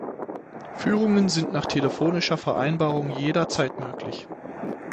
Führungen sind nach telefonischer Vereinbarung jederzeit möglich.